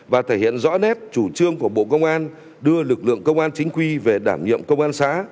và thể hiện rõ nét chủ trương của bộ công an đưa lực lượng công an chính quy về đảm nhiệm công an xã